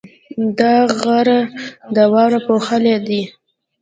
دا غره د واورو پوښلی دی.